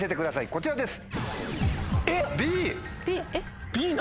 こちらです。